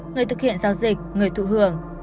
người thực hiện giao dịch người thụ hưởng